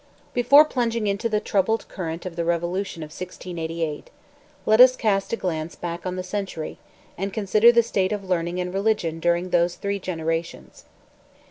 Before plunging into the troubled torrent of the revolution of 1688, let us cast a glance back on the century, and consider the state of learning and religion during those three generations.